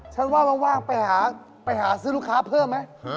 ฉันว่าว่างไปหาซื้อลูกค้าเพิ่มไหม